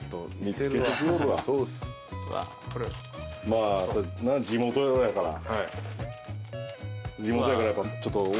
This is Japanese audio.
まあ地元やから。